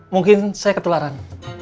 mungkin saya ketularan